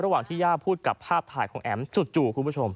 ระหว่างที่ย่าพูดกับภาพถ่ายของแอมจุดจู่